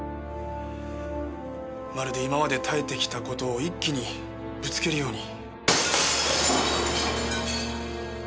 まるで今まで耐えてきた事を一気にぶつけるように。